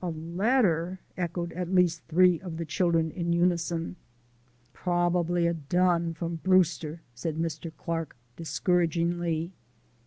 "A letter!" echoed at least three of the children in unison. "Probably a dun from Brewster," said Mr. Clark discouragingly.